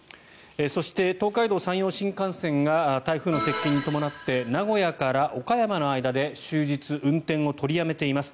そして、東海道・山陽新幹線が台風の接近に伴って名古屋から岡山の間で終日運転を取りやめています。